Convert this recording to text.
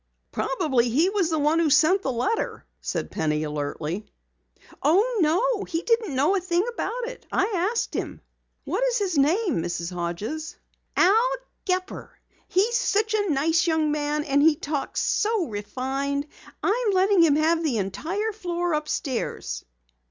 "Probably he was the one who sent the letter," said Penny alertly. "Oh, no! He didn't know anything about it. I asked him." "What is his name, Mrs. Hodges?" "Al Gepper. He's such a nice young man and he talks so refined. I am letting him have the entire floor upstairs."